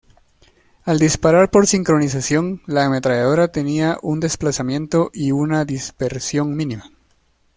Al disparar por sincronización, la ametralladora tenía un desplazamiento y una dispersión mínima.